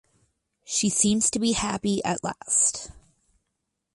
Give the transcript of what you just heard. She seems to be happy at last.